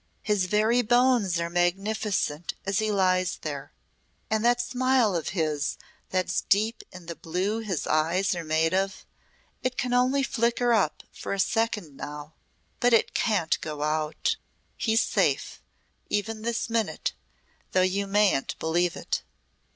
His very bones are magnificent as he lies there. And that smile of his that's deep in the blue his eyes are made of it can only flicker up for a second now but it can't go out. He's safe, even this minute, though you mayn't believe it."